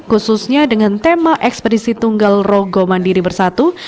khususnya dengan tema ekspedisi tunggal rogo mandiri bersatu